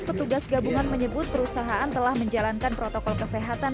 petugas gabungan menyebut perusahaan telah menjalankan protokol kesehatan